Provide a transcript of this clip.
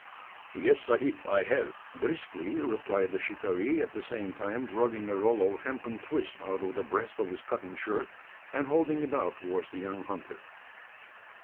"Yes, sahib, I have," briskly replied the shikaree, at the same time drawing a roll of hempen twist out of the breast of his cotton shirt, and holding it out towards the young hunter.